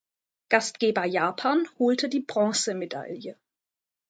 Gastgeber Japan holte die Bronzemedaille.